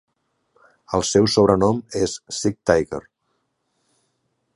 El seu sobrenom és "Sick Tiger".